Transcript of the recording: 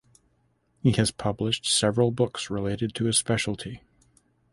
He has published several books relating to his speciality.